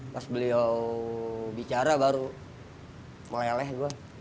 pas beliau bicara baru meleleh gue